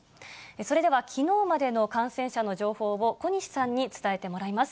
それでは、きのうまでの感染者の情報を、小西さんに伝えてもらいます。